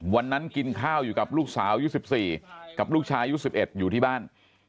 วันนั้นกินข้าวอยู่กับลูกสาวยุค๑๔กับลูกชายอายุ๑๑อยู่ที่บ้าน